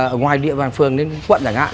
ở ngoài địa bàn phường đến quận giả ngạn